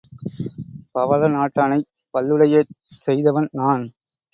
பவள நாட்டானைப் பல்லுடையச் செய்தவன் நான்.